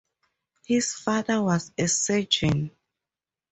His father was a surgeon.